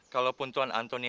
kalaupun tuan antoni